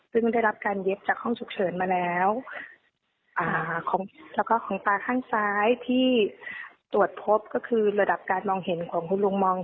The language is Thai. ซึ่งได้รับการเย็บจากห้องฉุกเฉินมาแล้วแล้วก็ของตาข้างซ้ายที่ตรวจพบก็คือระดับการมองเห็นของคุณลุงมอง